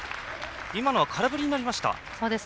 今のは空振りになりました。